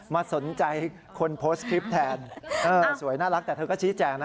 มาสนใจคนโพสต์คลิปแทนเออสวยน่ารักแต่เธอก็ชี้แจงนะ